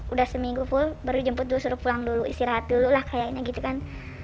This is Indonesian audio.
udah seminggu full baru jemput disuruh pulang dulu istirahat dulu lah kayaknya gitu kan